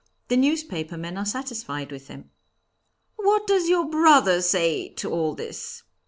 The newspaper men are satisfied with him." "What does your brother say to all this?"